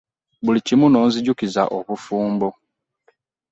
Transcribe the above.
Buli kimu n'onzijukiza obufumbo!